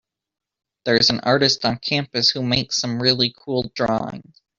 There’s an artist on campus who makes some really cool drawings.